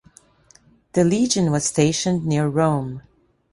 The legion was stationed near Rome.